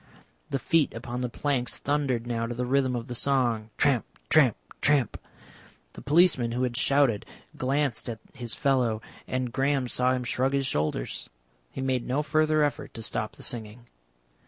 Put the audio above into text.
The feet upon the planks thundered now to the rhythm of the song, tramp, tramp, tramp. The policeman who had shouted glanced at his fellow, and Graham saw him shrug his shoulders. He made no further effort to stop the singing.